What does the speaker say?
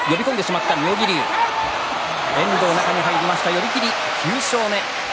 寄り切り、遠藤９勝目。